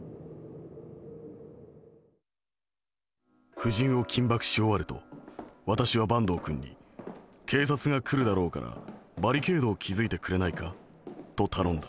夫人を緊縛し終わると私は坂東君に警察が来るだろうからバリケードを築いてくれないかと頼んだ」。